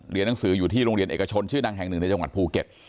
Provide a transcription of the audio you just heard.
หนังสืออยู่ที่โรงเรียนเอกชนชื่อดังแห่งหนึ่งในจังหวัดภูเก็ต